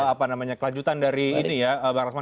apa namanya kelanjutan dari ini ya